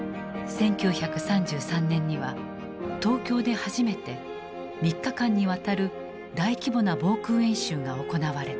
１９３３年には東京で初めて３日間にわたる大規模な防空演習が行われた。